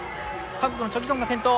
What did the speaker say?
韓国のチョ・ギソンが先頭。